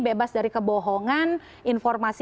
bebas dari kebohongan informasi